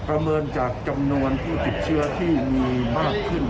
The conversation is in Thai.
เมินจากจำนวนผู้ติดเชื้อที่มีมากขึ้น